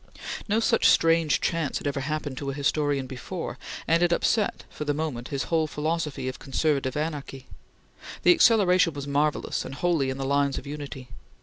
No such strange chance had ever happened to a historian before, and it upset for the moment his whole philosophy of conservative anarchy. The acceleration was marvellous, and wholly in the lines of unity.